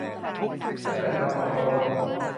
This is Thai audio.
นักแสดงทำความเคารพ !